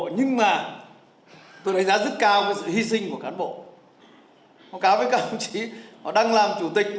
nhưng mà tôi đánh giá rất cao với sự hy sinh của cán bộ cao với cao chỉ họ đang làm chủ tịch